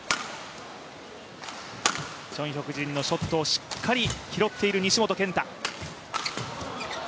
チョン・ヒョクジンのショットをしっかり拾っている西本拳太。